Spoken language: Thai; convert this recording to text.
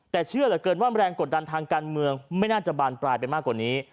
แต่เชื่อเหลือเกินว่าแรงกดดันทางการเมืองไม่น่าจะบานปลายไปมากกว่านี้